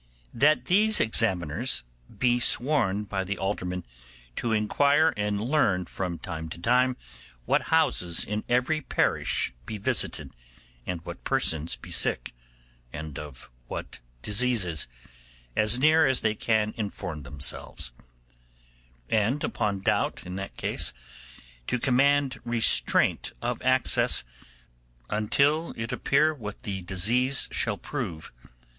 'That these examiners be sworn by the aldermen to inquire and learn from time to time what houses in every parish be visited, and what persons be sick, and of what diseases, as near as they can inform themselves; and upon doubt in that case, to command restraint of access until it appear what the disease shall prove.